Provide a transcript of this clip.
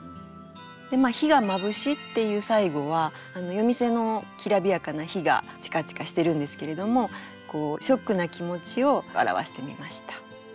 でまっ「灯が眩し」っていう最後は夜店のきらびやかな灯がチカチカしてるんですけれどもショックな気持ちを表してみました。